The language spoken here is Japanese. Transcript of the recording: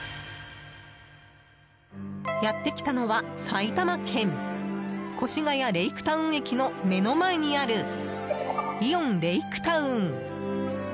やってきたのは埼玉県越谷レイクタウン駅の目の前にあるイオンレイクタウン。